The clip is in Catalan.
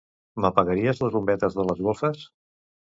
M'apagaries les bombetes de les golfes?